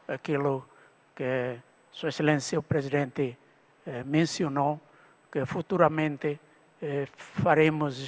dan juga sebagai seorang teknologi dari indonesia ketika saya ambilumeakesli